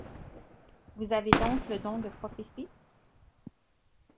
Vous avez donc le don de prophétie?